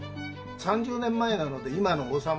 ３０年前なので今の大さん